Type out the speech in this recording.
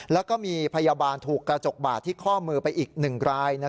แล้วก็มีพยาบาลถูกกระจกบาดที่ข้อมือไปอีก๑ราย